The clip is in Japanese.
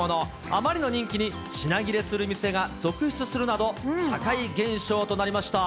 あまりの人気に品切れする店が続出するなど、社会現象となりました。